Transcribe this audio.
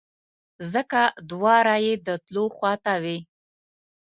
ځکه دوه رایې د تلو خواته وې.